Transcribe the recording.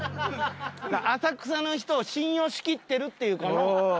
浅草の人を信用しきってるっていうこの。